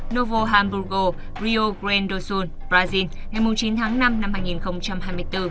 novo hamburgo rio grande do sul brazil ngày chín tháng năm năm hai nghìn hai mươi bốn